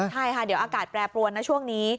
ใช่ค่ะเดี๋ยวอากาศแปรปรวนนะช่วงนี้